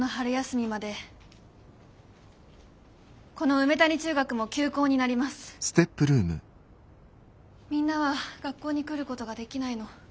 みんなは学校に来ることができないの。